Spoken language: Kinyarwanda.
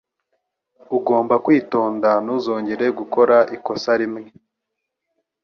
Ugomba kwitonda ntuzongere gukora ikosa rimwe.